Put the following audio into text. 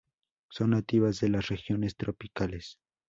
Son nativas de las regiones tropicales.